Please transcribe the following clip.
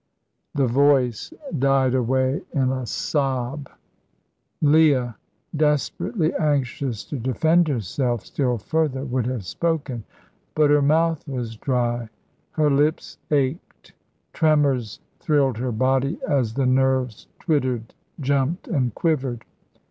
The voice died away in a sob. Leah, desperately anxious to defend herself still further, would have spoken. But her mouth was dry; her lips ached; tremors thrilled her body as the nerves twittered, jumped, and quivered.